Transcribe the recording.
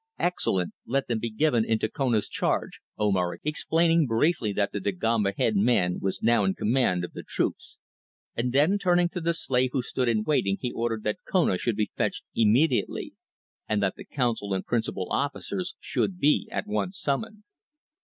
"Excellent, let them be given into Kona's charge," Omar exclaimed, explaining briefly that the Dagomba head man was now in command of the troops, and then turning to the slave who stood in waiting he ordered that Kona should be fetched immediately, and that the council and principal officers should be at once summoned.